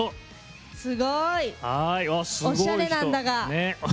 すごい！おしゃれなんだが。